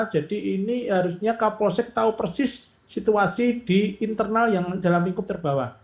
jadi ini harusnya kompolnas tahu persis situasi di internal yang dalam lingkup terbawah